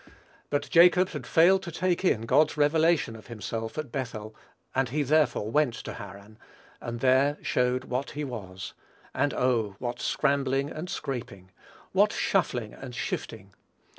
But Jacob had failed to take in God's revelation of himself at Bethel, and he therefore went to Haran, and there showed what he was, and oh, what scrambling and scraping! what shuffling and shifting!